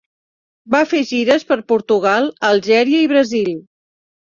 Va fer gires per Portugal, Algèria, i Brasil.